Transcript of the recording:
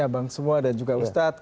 bang semua dan juga ustadz